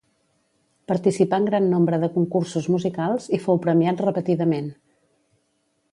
Participà en gran nombre de concursos musicals i fou premiat repetidament.